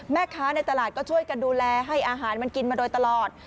แม่ค้าในตลาดก็ช่วยกันดูแลให้อาหารมันกินมาโดยตลอด